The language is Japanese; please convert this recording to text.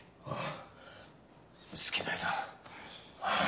ああ。